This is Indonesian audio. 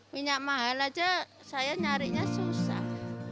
minyak mahal aja saya nyarinya susah